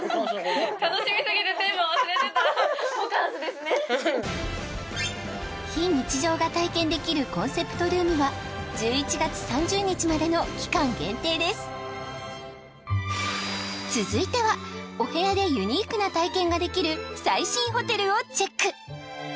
確かに非日常が体験できるコンセプトルームは１１月３０日までの期間限定です続いてはお部屋でユニークな体験ができる最新ホテルをチェック